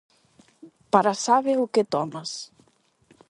Para sabe o que tomas.